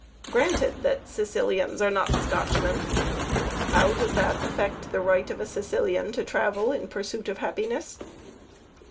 Granted that Sicilians are not Scotchmen, how does that affect the right of a Sicilian to travel in pursuit of happiness?